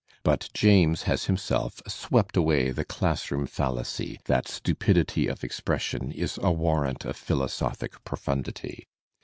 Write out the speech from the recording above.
But James has himself swept away the classroom fallacy that stupidity of expression is a warrant of philosophic profundity.